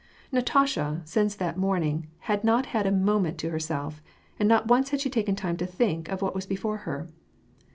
Natasha, since that morning, had not had a moment to herself ; and not once had she taken time to ^ink of what was before her.